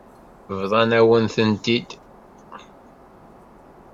Bḍant-awen-tent-id.